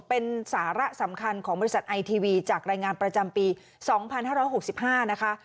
เป็นสาระสำคัญของบริษัทไอทีวีจากรายงานประจำปี๒๕๖๕นะคะ